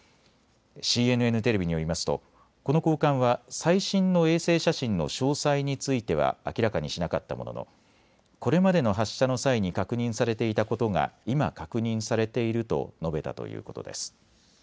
ＣＮＮテレビによりますとこの高官は最新の衛星写真の詳細については明らかにしなかったもののこれまでの発射の際に確認されていたことが今、確認されていると述べたということです。